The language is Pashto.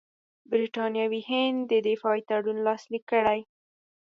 برټانوي هند دې دفاعي تړون لاسلیک کړي.